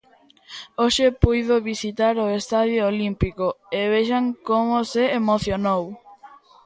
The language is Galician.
Hoxe puido visitar o estadio olímpico, e vexan como se emocionou.